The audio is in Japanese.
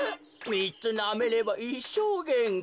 みっつなめればいっしょうげんき。